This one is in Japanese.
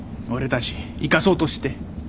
俺たち生かそうとして。